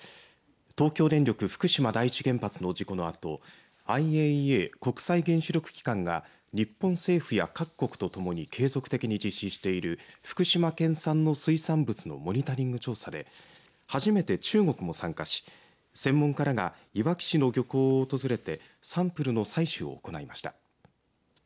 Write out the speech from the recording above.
東京電力福島第一原発の事故のあとＩＡＥＡ＝国際原子力機関が日本政府や各国とともに継続的に実施している福島県産の水産物のモニタリング調査で初めて中国も参加し専門家らが、いわき市の漁港を訪れてサンプルの採取を行いました。